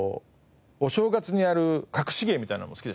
お正月にやる隠し芸みたいなのも好きでしたね。